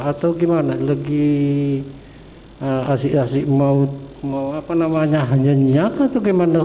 atau gimana lagi asik asik mau apa namanya nyenyak atau gimana